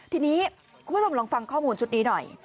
ทีนี้คุณผู้ชมลองฟังข้อมูลชุดนี้หน่อย